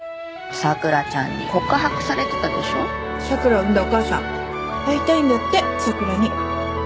桜を産んだお母さん会いたいんだって桜に。